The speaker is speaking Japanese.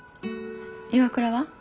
岩倉は？